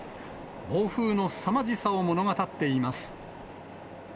暴風のすさまじさを物語っています。